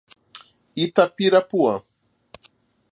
Itapirapuã